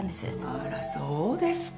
あらそうですか。